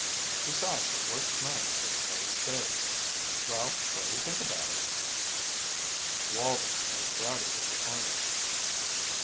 Besides it works nights as well as days. Well, what do you think about it?" Walter looked rather disappointed.